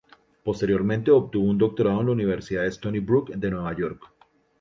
Posteriormente obtuvo un doctorado en la Universidad de Stony Brook de Nueva York.